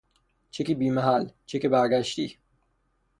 چک بی محل، چک برگشتی